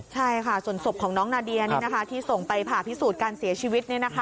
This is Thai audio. ใช่ค่ะส่วนศพของน้องนาเดียที่ส่งไปผ่าพิสูจน์การเสียชีวิต